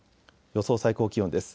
予想最高気温です。